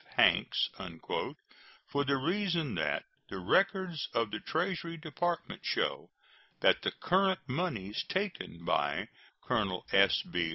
Hanks," for the reason that the records of the Treasury Department show that the current moneys taken by Colonel S.B.